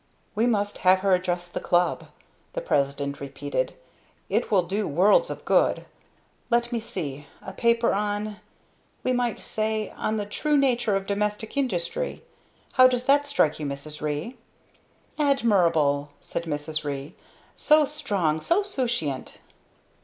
"We must have her address the Club," the president repeated. "It will do worlds of good. Let me see a paper on we might say 'On the True Nature of Domestic Industry.' How does that strike you, Mrs. Ree?" "Admirable!" said Mrs. Ree. "So strong! so succinct."